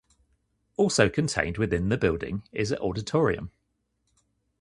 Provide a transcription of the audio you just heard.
Also contained within the building is a auditorium.